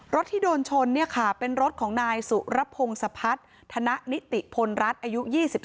ที่โดนชนเป็นรถของนายสุรพงศพัฒน์ธนนิติพลรัฐอายุ๒๓